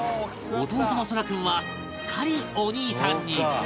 弟の蒼空君はすっかりお兄さんに